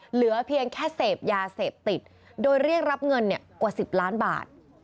เหลือเพียงแค่เสพยาเสพติดโดยเรียกรับเงินกว่า๑๐ล้านบาท